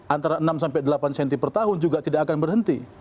antara enam sampai delapan cm per tahun juga tidak akan berhenti